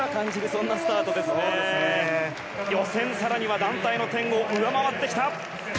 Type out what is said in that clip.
予選、更には団体の点を上回ってきた！